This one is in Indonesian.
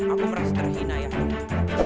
aku merasa terhina ayahanda